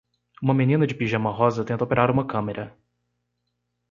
Uma menina de pijama rosa tenta operar uma câmera.